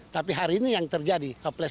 tapi hari ini yang terjadi haplis empat